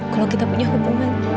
kalau kita punya hubungan